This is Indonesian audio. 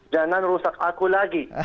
jangan rusak aku lagi